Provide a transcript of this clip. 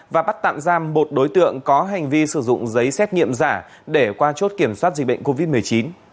và bắt tạm giam một đối tượng có hành vi sử dụng giấy xét nghiệm giả để qua chốt kiểm soát dịch bệnh covid một mươi chín